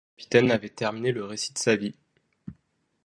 Le capitaine avait terminé le récit de sa vie.